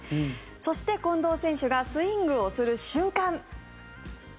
そして、近藤選手がスイングをする瞬間。